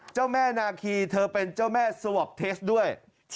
เจ้าแม่นาคีเธอเป็นเจ้าแม่สวอปเทสด้วย